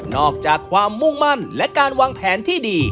อกจากความมุ่งมั่นและการวางแผนที่ดี